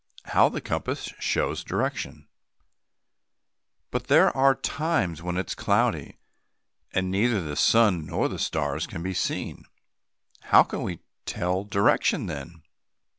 HOW THE COMPASS SHOWS DIRECTION. But there are times when it is cloudy, and neither the sun nor the stars can be seen. How can we tell direction then?